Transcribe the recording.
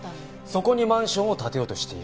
そこにマンションを建てようとしている。